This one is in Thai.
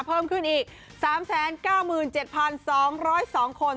เพิ่มขึ้นอีก๓๙๗๒๐๒คน